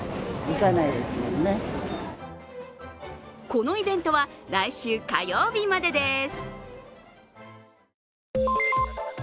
このイベントは来週火曜日までです。